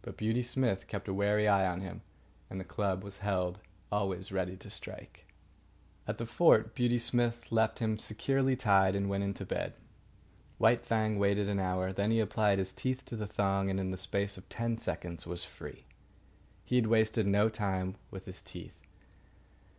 But Beauty Smith kept a wary eye on him, and the club was held always ready to strike. At the fort Beauty Smith left him securely tied and went in to bed. White Fang waited an hour. Then he applied his teeth to the thong, and in the space of ten seconds was free. He had wasted no time with his teeth.